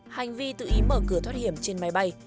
hành vi tự ý mở cửa thoát hiểm trên máy bay